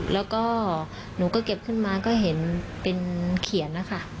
แล้วก็หนูก็เก็บขึ้นมาก็เห็นเป็นเขียนนะคะ